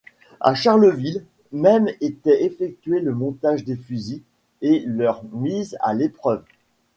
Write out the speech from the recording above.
À Charleville même étaient effectués le montage des fusils et leur mise à l'épreuve.